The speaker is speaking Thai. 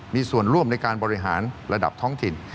มีส่วนร่วมในการบริหารระดับท้องถิ่น